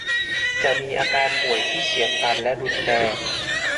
จะมีอาการป่วยที่เฉียบพลันและรุนแรง